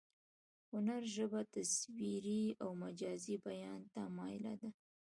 هنري ژبه تصویري او مجازي بیان ته مایله ده